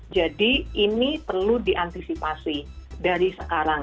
jadi ini perlu diantisipasi dari sekarang